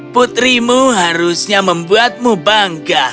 putrimu harusnya membuatmu bangga